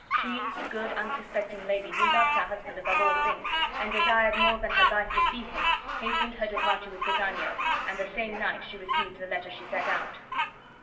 She, good, unsuspecting lady, who loved her husband above all things, and desired more than her life to see him, hastened her departure with Pisanio, and the same night she received the letter she set out.